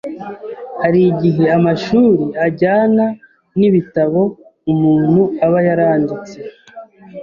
Hari igihe amashuri ajyana n’ibitabo umuntu aba yaranditse